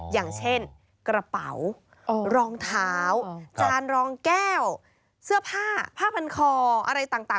อย่างเช่นกระเป๋ารองเท้าจานรองแก้วเสื้อผ้าผ้าพันคออะไรต่าง